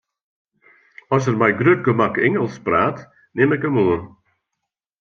As er mei grut gemak Ingelsk praat, nim ik him oan.